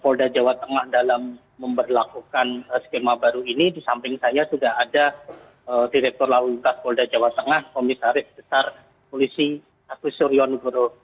polda jawa tengah dalam memperlakukan skema baru ini di samping saya sudah ada direktur lawan lintas polda jawa tengah komisarik besar polisi atusuryon guru